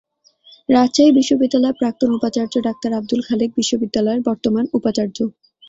রাজশাহী বিশ্ববিদ্যালয়ের প্রাক্তন উপাচার্য ডাক্তার আব্দুল খালেক বিশ্ববিদ্যালয়ের বর্তমান উপাচার্য।